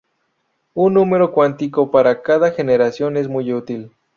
Un número cuántico para cada generación es muy útil.